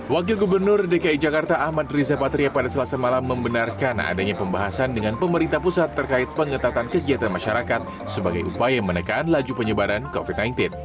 wakil gubernur dki jakarta ahmad riza patria pada selasa malam membenarkan adanya pembahasan dengan pemerintah pusat terkait pengetatan kegiatan masyarakat sebagai upaya menekan laju penyebaran covid sembilan belas